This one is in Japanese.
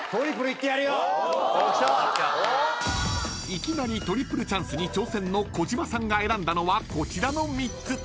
［いきなりトリプルチャンスに挑戦の児嶋さんが選んだのはこちらの３つ］